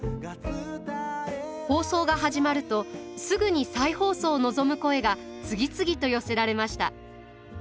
放送が始まるとすぐに再放送を望む声が次々と寄せられました。